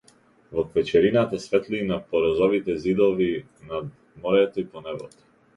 Во квечерината, светлина по розовите ѕидови над морето и по небото.